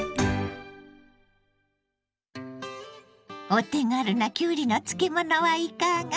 お手軽なきゅうりの漬物はいかが？